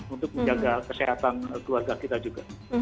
untuk menjaga kesehatan keluarga kita juga